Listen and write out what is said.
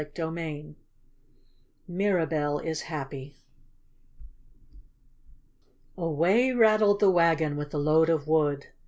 CHAPTER X MIRABELL IS HAPPY Away rattled the wagon with the load of wood.